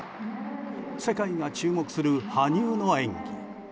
世界が注目する羽生の演技。